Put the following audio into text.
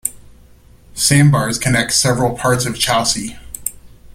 Sandbars connect several parts of Chausey.